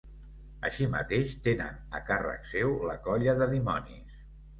Així mateix tenen a càrrec seu la colla de dimonis.